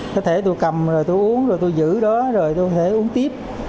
cơ thể tôi cầm rồi tôi uống rồi tôi giữ đó rồi tôi uống tiếp